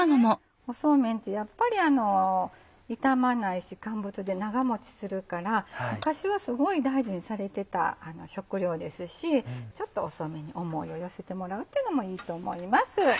そうめんってやっぱり傷まないし乾物で長持ちするから昔はすごい大事にされてた食料ですしちょっとそうめんに思いを寄せてもらうっていうのもいいと思います。